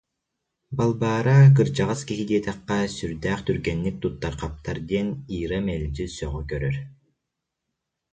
Балбаара, кырдьаҕас киһи диэтэххэ, сүрдээх түргэнник туттар-хаптар диэн Ира мэлдьи сөҕө көрөр